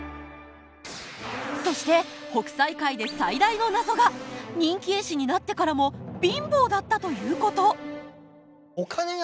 そして北斎回で最大の謎が人気絵師になってからも貧乏だったということ。